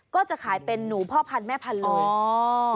ก็จะขายเป็นหนูพ่อพันธแม่พันธุ์เลย